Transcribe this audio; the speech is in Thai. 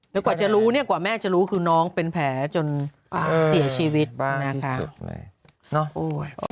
แล้วกว่าจะรู้เนี่ยกว่าแม่จะรู้คือน้องเป็นแผลจนเสียชีวิตนะคะบ้างที่สุดเลยเนาะโอ้ย